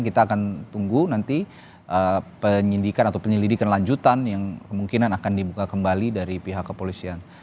kita akan tunggu nanti penyidikan atau penyelidikan lanjutan yang kemungkinan akan dibuka kembali dari pihak kepolisian